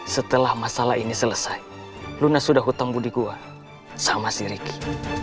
setelah masalah ini selesai luna sudah hutang budi gue sama si ricky